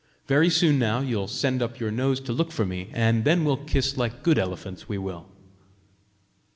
Very soon now you'll send up your nose to look for me, and then we'll kiss like good elephants, we will!"